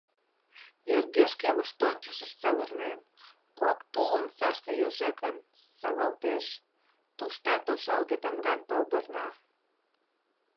Йыргешке воштончышыш савырнен, кок тул омсашке йожекын савалтеш, туштат ошалге тамган палдырна.